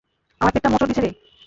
আমার পেট টা মোচড় দিছে রে।